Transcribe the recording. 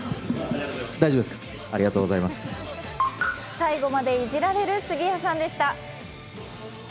最後までいじられる杉谷さんでした。